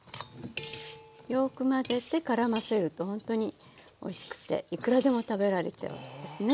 よく混ぜてからませるとほんとにおいしくていくらでも食べられちゃうんですね。